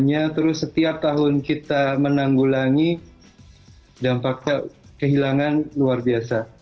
hanya terus setiap tahun kita menanggulangi dampaknya kehilangan luar biasa